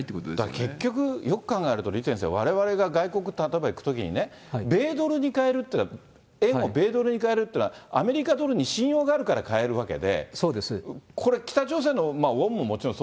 結局、よく考えると、李先生、われわれが外国、例えば行くときに、米ドルに換えるというのは、円を米ドルに替えるっていうのは、アメリカドルに信用があるから換えるわけで。